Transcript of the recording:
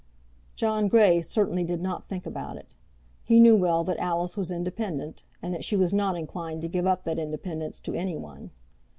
John Grey certainly did not think about it. He knew well that Alice was independent, and that she was not inclined to give up that independence to anyone.